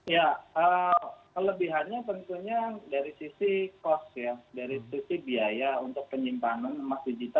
ya kelebihannya tentunya dari sisi kelebihan